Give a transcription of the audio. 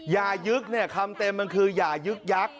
ยึกเนี่ยคำเต็มมันคืออย่ายึกยักษ